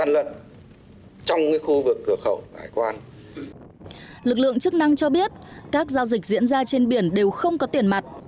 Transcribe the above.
lực lượng chức năng cho biết các giao dịch diễn ra trên biển đều không có tiền mặt